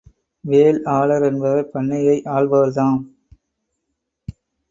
வேள் ஆளர் என்பவர் பண்ணையை ஆள்பவர்தாம்.